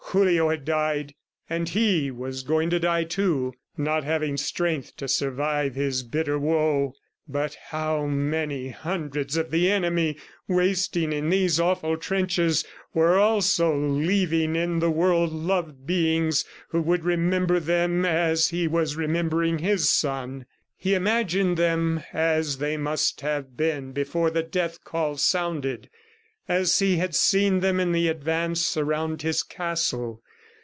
Julio had died, and he was going to die, too, not having strength to survive his bitter woe; but how many hundreds of the enemy wasting in these awful trenches were also leaving in the world loved beings who would remember them as he was remembering his son! ... He imagined them as they must have been before the death call sounded, as he had seen them in the advance around his castle.